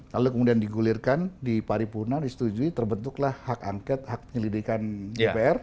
lalu kemudian digulirkan di paripurna disetujui terbentuklah hak angket hak penyelidikan dpr